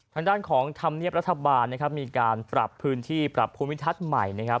ทางด้านของธรรมเนียบรัฐบาลนะครับมีการปรับพื้นที่ปรับภูมิทัศน์ใหม่นะครับ